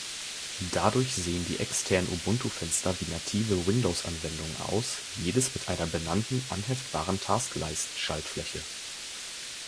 Dadurch sehen die externen Ubuntu-Fenster wie native Windows-Anwendungen aus, jedes mit einer benannten, anheftbaren Taskleisten-Schaltfläche.